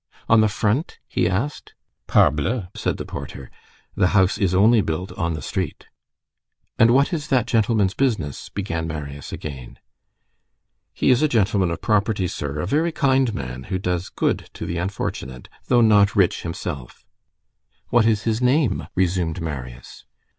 "On the front?" he asked. "Parbleu!" said the porter, "the house is only built on the street." "And what is that gentleman's business?" began Marius again. "He is a gentleman of property, sir. A very kind man who does good to the unfortunate, though not rich himself." "What is his name?" resumed Marius.